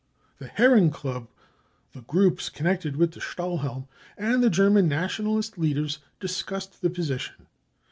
The Herrenklub, the groups connected with the Stahl helm, and the German Nationalist leaders discussed the position.